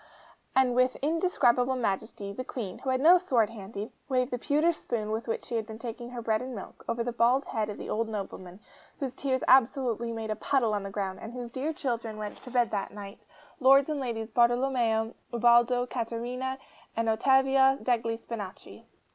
And with indescribable majesty, the Queen, who had no sword handy, waved the pewter spoon with which she had been taking her bread and milk, over the bald head of the old nobleman, whose tears absolutely made a puddle on the ground, and whose dear children went to bed that night Lords and Ladies Bartolomeo, Ubaldo, Catarina, and Ottavia degli Spinachi!